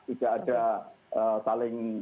tidak ada saling